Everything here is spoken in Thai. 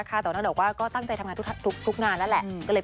ตอนนั้นบอกว่าก็ตั้งใจทำงานทุกงานแล้วแหละ